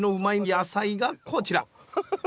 野菜がこちら。